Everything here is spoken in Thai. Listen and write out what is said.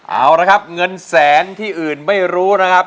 เอาละครับเงินแสนที่อื่นไม่รู้นะครับ